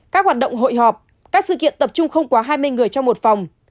các hoạt động hội họp các sự kiện tập trung không quá hai mươi người trong một phòng